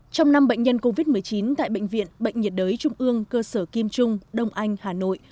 trong năm bệnh nhân covid một mươi chín tại bệnh viện bệnh nhiệt đới trung ương cơ sở kim trung đông anh hà nội